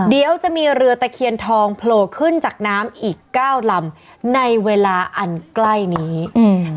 เดี๋ยวจะมีเรือตะเคียนทองโผล่ขึ้นจากน้ำอีกเก้าลำในเวลาอันใกล้นี้อืม